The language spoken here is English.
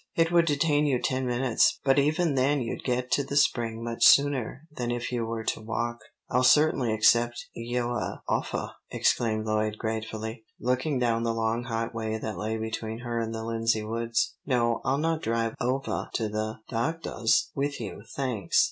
It would detain you ten minutes, but even then you'd get to the Spring much sooner than if you were to walk." "I'll certainly accept yoah offah," exclaimed Lloyd gratefully, looking down the long hot way that lay between her and the Lindsey woods. "No, I'll not drive ovah to the doctah's with you, thanks.